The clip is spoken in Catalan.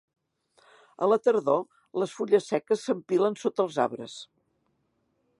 A la tardor les fulles seques s'empilen sota els arbres.